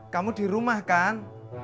kamu di rumah kan